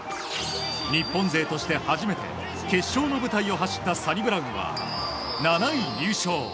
日本勢として初めて決勝の舞台を走ったサニブラウンは７位入賞。